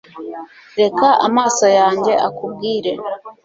reka amaso yanjye akubwire